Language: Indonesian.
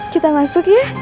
kita masuk ya